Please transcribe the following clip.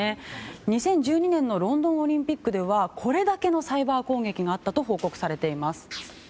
２０１２年のロンドンオリンピックではこれだけのサイバー攻撃があったと報告されています。